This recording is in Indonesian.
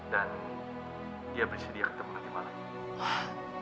dan dia bersedia ketemu nanti malam